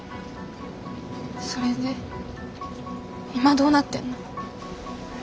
それで今どうなってんの？